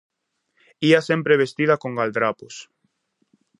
Ía sempre vestida con galdrapos.